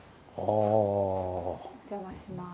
お邪魔します。